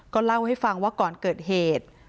เล่าให้ฟังว่าก่อนเกิดเหตุ